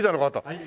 はい。